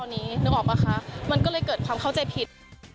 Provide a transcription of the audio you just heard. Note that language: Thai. นึกออกมั้ยคะมันก็เลยเกิดความเข้าใจผิด